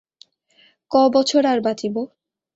ক বছর আর বাঁচিব।